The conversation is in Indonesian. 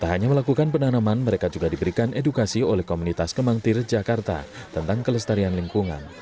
tak hanya melakukan penanaman mereka juga diberikan edukasi oleh komunitas kemangtir jakarta tentang kelestarian lingkungan